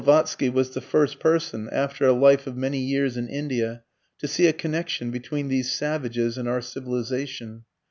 Blavatsky was the first person, after a life of many years in India, to see a connection between these "savages" and our "civilization."